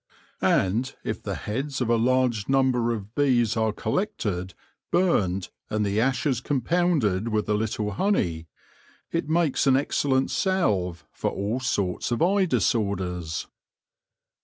And if the heads of a large BEE MASTERS IN THE MIDDLE AGES 31 number of bees are collected, burned, and the ashes compounded with a little honey, it makes an excellent salve for all sorts of eye disorders.